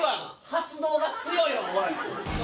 発動が強いわおい！